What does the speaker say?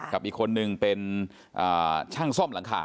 กับอีกคนนึงเป็นช่างซ่อมหลังคา